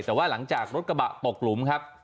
แต่ว่าหลังจากรถกระบะตกหลุมครับ